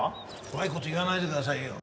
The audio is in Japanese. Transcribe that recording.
怖い事言わないでくださいよ。